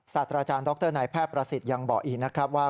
ศาสตราจารย์ดรนายแพทย์ประสิทธิ์ยังบอกอีกนะครับว่า